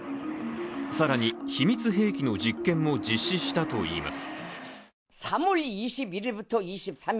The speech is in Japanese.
更に秘密兵器の実験も実施したといいます。